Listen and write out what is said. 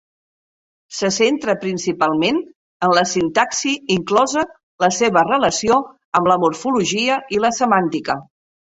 Se centra principalment en la sintaxi, inclosa la seva relació amb la morfologia i la semàntica.